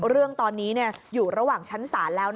เรื่องตอนนี้อยู่ระหว่างชั้นศาลแล้ว